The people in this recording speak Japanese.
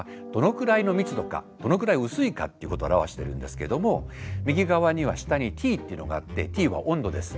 どのくらい薄いかっていうことを表してるんですけれども右側には下にＴというのがあってＴは温度です。